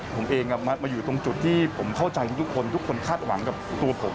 ผมเองมาอยู่ตรงจุดที่ผมเข้าใจทุกคนทุกคนคาดหวังกับตัวผม